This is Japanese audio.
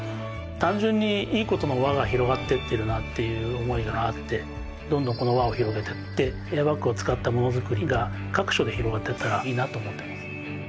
単純にいいことの輪が広がって行ってるなっていう思いがあってどんどんこの輪を広げて行ってエアバッグを使ったものづくりが各所で広がって行ったらいいなと思ってます。